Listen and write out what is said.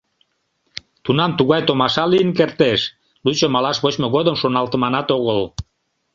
Тунам тугай томаша лийын кертеш, лучо малаш вочмо годым шоналтыманат огыл!